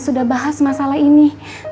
sudah bahas masalah ini